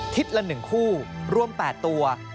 ละ๑คู่รวม๘ตัว